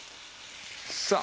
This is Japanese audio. さあ